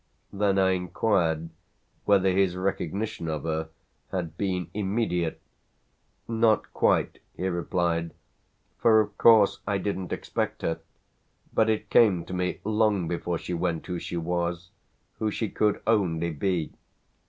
Then I inquired whether his recognition of her had been immediate. "Not quite," he replied, "for, of course, I didn't expect her; but it came to me long before she went who she was who she could only be."